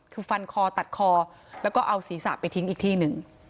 คือฟันคอตัดคอแล้วก็เอาศีรษะไปทิ้งอีกที่หนึ่ง